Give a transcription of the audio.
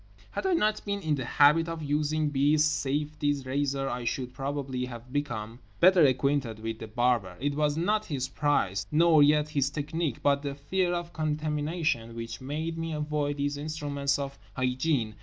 Had I not been in the habit of using B.'s safety razor I should probably have become better acquainted with The Barber. It was not his price, nor yet his technique, but the fear of contamination which made me avoid these instruments of hygiene.